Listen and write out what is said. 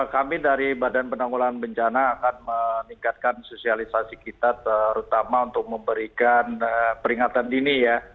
kami dari badan penanggulan bencana akan meningkatkan sosialisasi kita terutama untuk memberikan peringatan dini ya